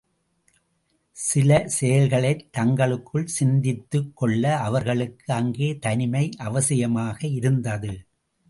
சில செயல்களைத் தங்களுக்குள் சிந்தித்துக் கொள்ள அவர்களுக்கு அங்கே தனிமை அவசியமாக இருந்தது.